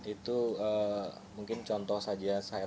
itu mungkin contoh saja saya